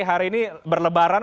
hari ini berlebaran